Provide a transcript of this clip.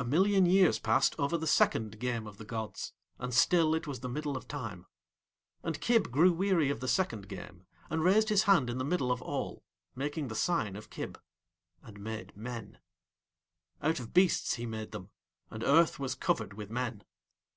A million years passed over the second game of the gods, and still it was the Middle of Time. And Kib grew weary of the second game, and raised his hand in the Middle of All, making the sign of Kib, and made Men: out of beasts he made them, and Earth was covered with Men.